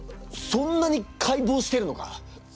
そんなに解剖してるのか？